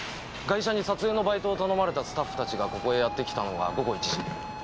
ガイシャに撮影のバイトを頼まれたスタッフたちがここへやって来たのが午後１時。